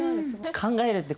「考える」って